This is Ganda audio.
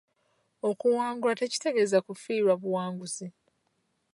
Okuwangulwa tekitegeeza kufiirwa buwanguzi.